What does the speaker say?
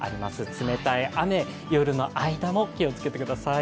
冷たい雨、夜の間も気をつけてください。